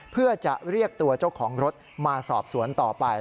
เพื่อจะเรียกตัวเจ้าของรถมาสอบสวนต่อไป